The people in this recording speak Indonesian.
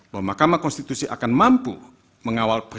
bahwa mahkamah konstitusi akan mampu mengawal proses